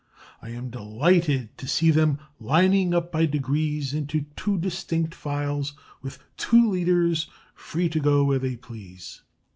I am delighted to see them lining up by degrees into two distinct files, with two leaders, free to go where they please.